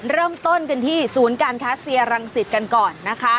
เริ่มต้นกันที่ศูนย์การค้าเซียรังสิตกันก่อนนะคะ